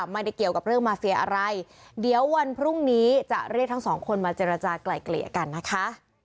ไม่ได้เกี่ยวกับเรื่องมาเฟียอะไรเดี๋ยววันพรุ่งนี้จะเรียกทั้งสองคนมาเจรจากลายเกลี่ยกันนะคะ